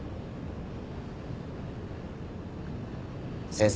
先生。